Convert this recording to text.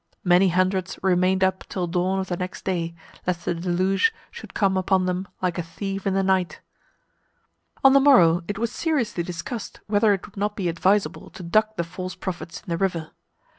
Many hundreds remained up till dawn of the next day, lest the deluge should come upon them like a thief in the night. On the morrow, it was seriously discussed whether it would not be advisable to duck the false prophets in the river.